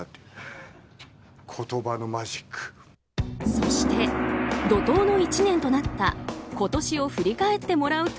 そして、怒濤の１年となった今年を振り返ってもらうと。